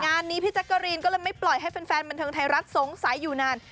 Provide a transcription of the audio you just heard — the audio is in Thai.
งานนี้พี่แจ๊กกะรีนก็เลยไม่ปล่อยให้แฟนบันเทิงไทยรัฐสงสัยอยู่นาน